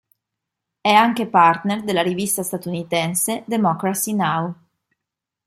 È anche partner della rivista statunitense Democracy Now.